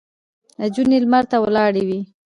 نجونې لمر ته ولاړې وې.